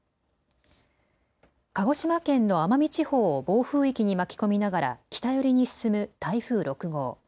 鹿児島県の奄美地方を暴風域に巻き込みながら北寄りに進む台風６号。